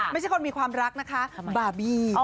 ไม่ใช่คนมีความรักนะคะบาร์บี้